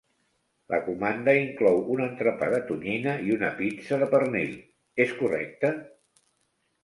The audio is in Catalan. La comanda inclou un entrepà de tonyina i una pizza de pernil, és correcte?